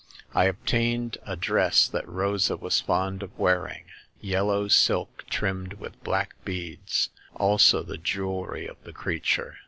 I obtained a dress that Rosa was fond of wearing — ^yellow silk trimmed with black beads ; also the jewelry of the creature.